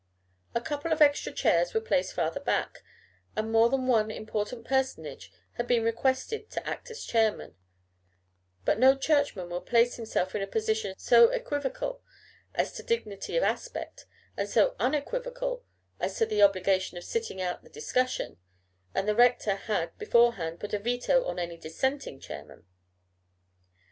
A couple of extra chairs were placed farther back, and more than one important personage had been requested to act as chairman; but no Churchman would place himself in a position so equivocal as to dignity of aspect, and so unequivocal as to the obligation of sitting out the discussion; and the rector had beforehand put a veto on any Dissenting chairman.